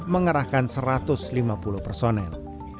mengerahkan satu ratus lima puluh personel